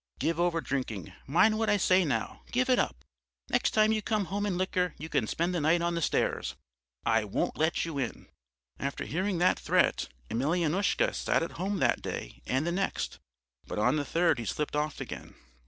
Give over drinking, mind what I say now, give it up! Next time you come home in liquor, you can spend the night on the stairs. I won't let you in!' "After hearing that threat, Emelyanoushka sat at home that day and the next; but on the third he slipped off again.